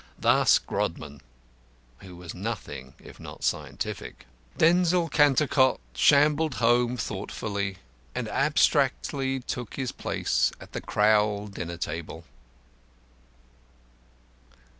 Thus Grodman, who was nothing if not scientific. Denzil Cantercot shambled home thoughtfully, and abstractedly took his place at the Crowl dinner table.